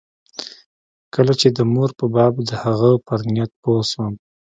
کله چې د مور په باب د هغه پر نيت پوه سوم.